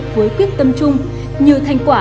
với quyết tâm chung nhiều thành quả